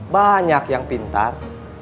banyak yang pintar